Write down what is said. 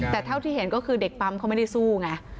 แต่เท่าที่เห็นก็คือเด็กปั๊มเขาไม่ได้สู้ไง